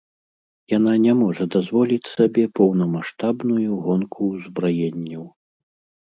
Яна не можа дазволіць сабе поўнамаштабную гонку ўзбраенняў.